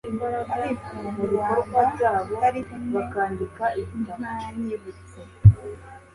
Ariko ntiwaba utari kumwe ntanyibutse